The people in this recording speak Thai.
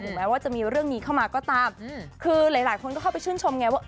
แม้ว่าจะมีเรื่องนี้เข้ามาก็ตามคือหลายหลายคนก็เข้าไปชื่นชมไงว่า